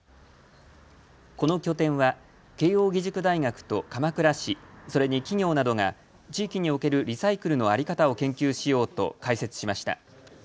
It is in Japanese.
この拠点は慶應義塾大学と鎌倉市、それに企業などが地域におけるリサイクルの在り方を研究しようと開設しました。